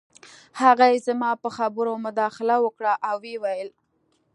هغې زما په خبرو کې مداخله وکړه او وویې ویل